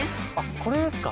これですか。